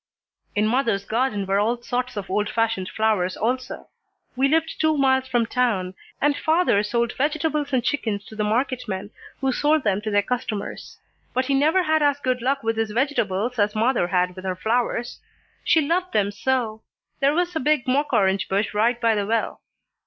"In mother's garden were all sorts of old fashioned flowers also. We lived two miles from town and father sold vegetables and chickens to the market men, who sold them to their customers. But he never had as good luck with his vegetables as mother had with her flowers. She loved them so. There was a big mock orange bush right by the well.